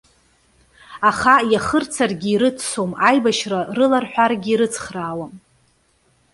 Аха, иахырцаргьы ирыццом, аибашьра рыларҳәаргьы ирыцхраауам.